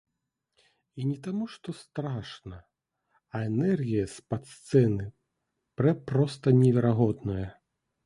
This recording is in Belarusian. І не таму, што страшна, а энергія з-пад сцэны прэ проста неверагодная!